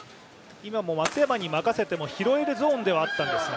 今も松山に任せても、拾えるゾーンではあったんですが。